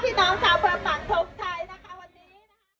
พี่น้องค่ะเพื่อฝั่งทุกชายนะคะวันนี้